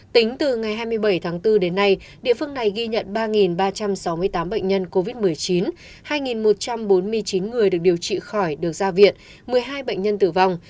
tính từ ngày hai mươi bảy tháng bốn đến nay địa phương này ghi nhận ba ba trăm sáu mươi tám bệnh nhân covid một mươi chín hai một trăm bốn mươi chín người được điều trị khỏi được ra viện một mươi hai bệnh nhân tử vong